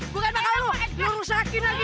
gue akan maka lu lu rusakin lagi